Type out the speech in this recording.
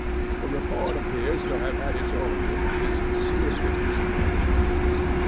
The report appears to have had its origin in his mysterious disappearance.